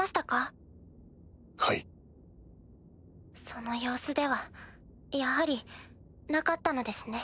その様子ではやはりなかったのですね。